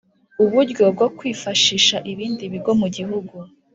Uburyo bwo kwifashisha ibindi bigo mu gihugu